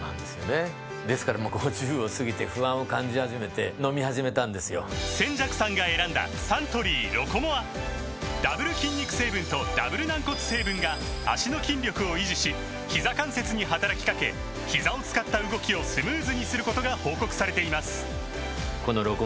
そう語るのは中村扇雀さん扇雀さんが選んだサントリー「ロコモア」ダブル筋肉成分とダブル軟骨成分が脚の筋力を維持しひざ関節に働きかけひざを使った動きをスムーズにすることが報告されています